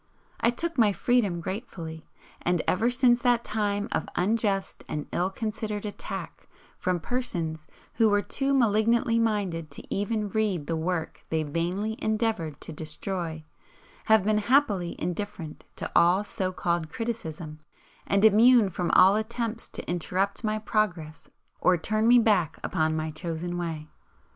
I took my freedom gratefully, and ever since that time of unjust and ill considered attack from persons who were too malignantly minded to even read the work they vainly endeavoured to destroy, have been happily indifferent to all so called 'criticism' and immune from all attempts to interrupt my progress or turn me back upon my chosen way.